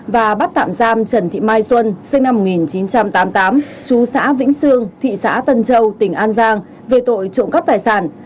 và bắt tạm giam trần thị mai xuân sinh năm một nghìn chín trăm tám mươi tám chú xã vĩnh sương thị xã tân châu tỉnh an giang về tội trộm cắp tài sản